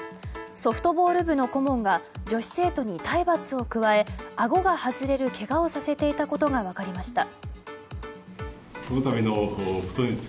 ソフトボール部の顧問が女子生徒に体罰を加えあごが外れるけがをさせていたことが分かりました。